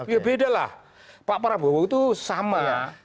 ya beda lah pak prabowo itu sama